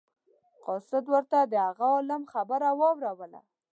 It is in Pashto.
قاصد ورته د هغه عالم خبره واوروله.